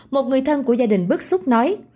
một người thân của gia đình bức xúc nói